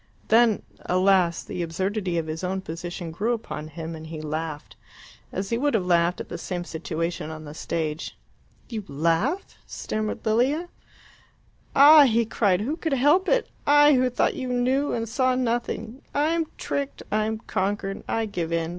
Then, alas! the absurdity of his own position grew upon him, and he laughed as he would have laughed at the same situation on the stage. "You laugh?" stammered Lilia. "Ah!" he cried, "who could help it? I, who thought you knew and saw nothing I am tricked I am conquered. I give in.